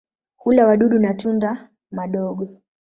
Hula wadudu na tunda madogo.